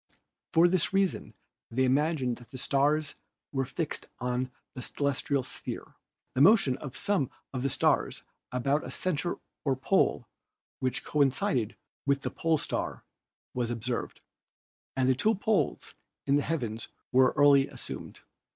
For this reason they imagined that the stars were fixed on the celestial sphere. The motion of some of the stars about a center or pole which coincided with the Pole Star was observed, and the two poles in the heavens were early assumed.